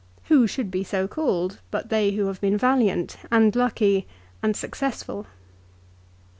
Who should be so called but they who have been valiant, and lucky and successful?